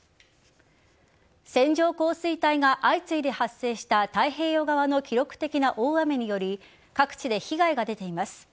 線状降水帯が相次いで発生した太平洋側の記録的な大雨により各地で被害が出ています。